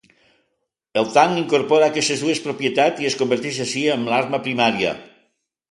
El tanc incorpora aquestes dues propietats i es converteix així en l'arma primària.